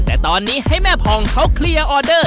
แต่ตอนนี้ให้แม่ผ่องเขาเคลียร์ออเดอร์